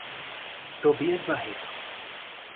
Tobias Barreto